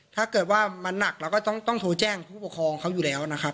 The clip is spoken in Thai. ถ้าเกิดว่ามันหนักเราก็ต้องโทรแจ้งผู้ปกครองเขาอยู่แล้วนะครับ